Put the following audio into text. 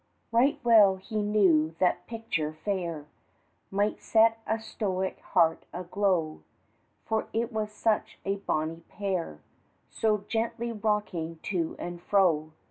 Right well he knew that picture fair Might set a stoic's heart aglow, For it was such a bonnie pair, So gently rocking to and fro.